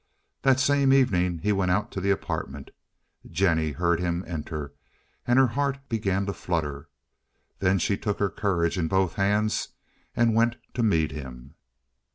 That same evening he went out to the apartment. Jennie heard him enter, and her heart began to flutter. Then she took her courage in both hands, and went to meet him.